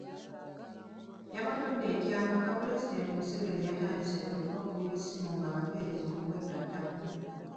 Yabotodde ekyama nga Pulezidenti Museveni bwe yatandise edda okubakubira essimu ng'abaperereza okumwegattako.